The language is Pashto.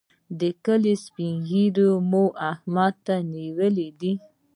د کلي سپين ږيری مو احمد نیولی دی.